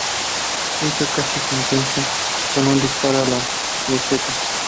Víctor casi sentencia con un disparo a la cruceta.